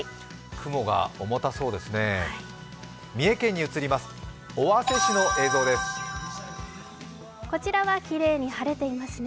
雲が重たそうですね。